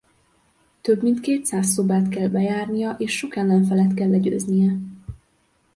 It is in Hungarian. Több mint kétszáz szobát kell bejárnia és sok ellenfelet kell legyőznie.